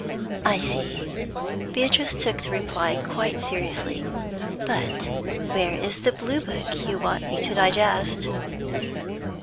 'I see.' Beatrice took the reply quite seriously. 'But where is the blue book you want me to digest?'